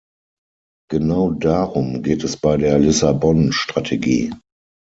Genau darum geht es bei der Lissabon-Strategie.